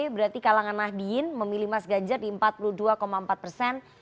berarti kalangan nahdien memilih mas ganjar di empat puluh dua empat persen